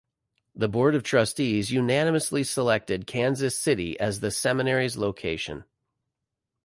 The Board of Trustees unanimously selected Kansas City as the Seminary's location.